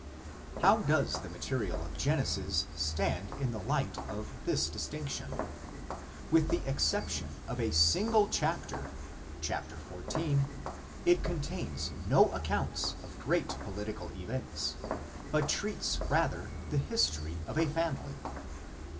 How does the material of Genesis stand in the light of this distinction? With the exception of a single chapter (Chapter xiv), it contains no accounts of great political events, but treats rather the history of a family.